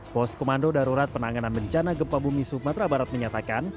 pos komando darurat penanganan bencana gempa bumi sumatera barat menyatakan